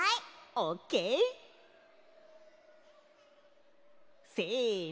オッケー！せの！